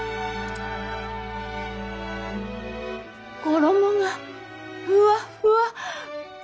衣がふわっふわ。